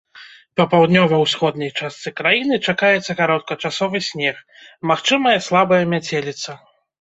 Па паўднёва-ўсходняй частцы краіны чакаецца кароткачасовы снег, магчымая слабая мяцеліца.